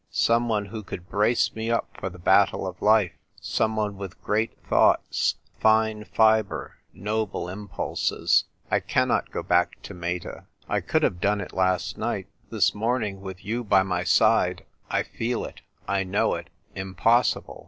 Someone who could brace me up for the battle of life ; someone with great thoughts, fine fibre, noble impulses. I cannot go back to Meta. I could have done it last night. This morning, with you by my side, I feel it, I know it, im possible."